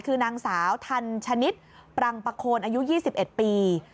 คือนางสาวทันชนิดปรังประโคนอายุ๒๑ปี